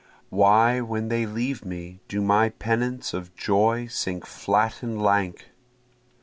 Why when they leave me do my pennants of joy sink flat and lank?